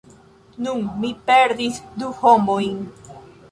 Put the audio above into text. Nun mi perdis du homojn!